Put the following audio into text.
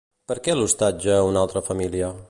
Per què l'hostatja una altra família?